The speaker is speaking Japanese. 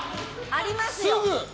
ありますよ。